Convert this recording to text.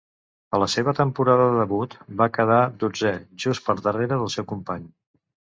A la seva temporada de debut, va quedar dotzè just per darrere del seu company.